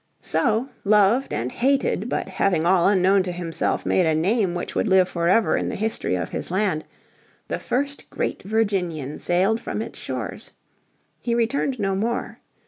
So, loved and hated, but having all unknown to himself made a name which would live forever in the history of his land, the first great Virginian sailed from its shores. He returned no more.